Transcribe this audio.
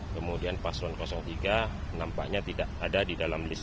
kemudian paslon tiga nampaknya tidak ada di dalam list